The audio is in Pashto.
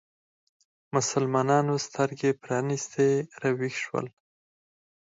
مسلمانانو سترګې پرانیستې راویښ شول